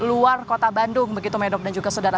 luar kota bandung begitu medok dan juga saudara